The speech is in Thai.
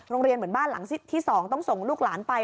เหมือนบ้านหลังที่๒ต้องส่งลูกหลานไป